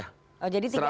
oh jadi tiga nama